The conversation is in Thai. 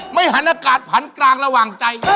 หันอากาศผันกลางระหว่างใจ